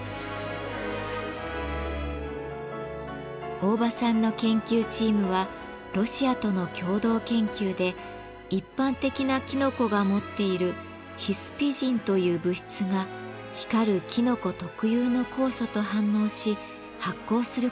大場さんの研究チームはロシアとの共同研究で一般的なきのこが持っている「ヒスピジン」という物質が光るきのこ特有の酵素と反応し発光することを突き止めました。